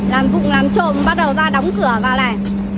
làm vụng làm trồm bắt đầu ra đóng cửa vào lại